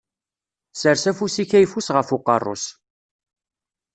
Sers afus-ik ayeffus ɣef uqerru-s.